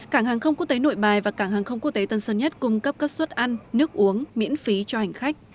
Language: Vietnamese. cảng hàng không quốc tế nội bài và cảng hàng không quốc tế tân sơn nhất cung cấp các suất ăn nước uống miễn phí cho hành khách